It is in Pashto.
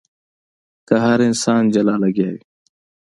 که هر انسان جلا لګيا وي.